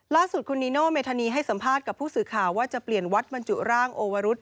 ล่าสุดคุณนิโนเมธานีให้สัมภาษณ์กับผู้สื่อข่าวว่าจะเปลี่ยนวัดบรรจุร่างโอวรุษ